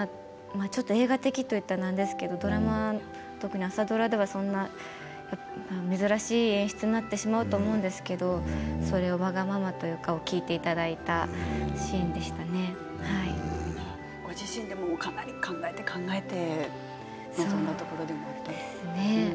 ちょっと映画的といったらなんですけど、ドラマ特に朝ドラではそんな珍しい演出になってしまうと思うんですけどそれを、わがままというか、ご自身でもかなり考えて考えて臨んだところでもあったんですね。